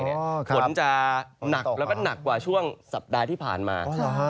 ฝนจะหนักแล้วก็หนักกว่าช่วงสัปดาห์ที่ผ่านมา